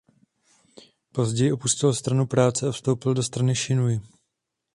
Později opustil Stranu práce a vstoupil do strany Šinuj.